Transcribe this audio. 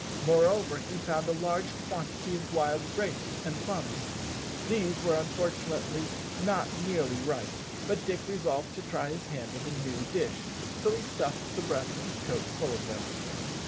Moreover, he found a large quantity of wild grapes and plums. These were unfortunately not nearly ripe, but Dick resolved to try his hand at a new dish, so he stuffed the breast of his coat full of them.